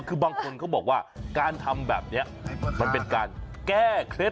คือบางคนเขาบอกว่าการทำแบบนี้มันเป็นการแก้เคล็ด